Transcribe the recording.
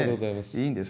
いいんです